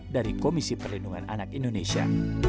dari komisi perlindungan anak indonesia